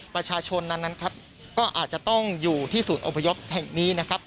ประชาชนนั้นครับก็อาจจะต้องอยู่ที่ศูนย์อพยพแห่งนี้นะครับ